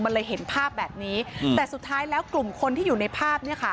มันเลยเห็นภาพแบบนี้แต่สุดท้ายแล้วกลุ่มคนที่อยู่ในภาพเนี่ยค่ะ